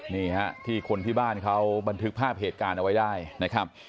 นี่ฮะที่คนที่บ้านเขาบันทึกภาพเหตุการณ์เอาไว้ได้นะครับ